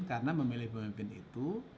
karena memilih pemimpin itu